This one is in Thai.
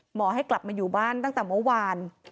ให้กลับมาอยู่บ้านตั้งแต่เมื่อวาน